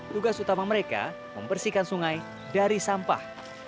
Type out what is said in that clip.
tugas utama mereka membersihkan sungai dari sampah